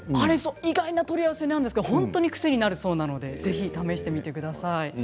意外な組み合わせなんですけれども、癖になりそうなのでぜひ試してみてください。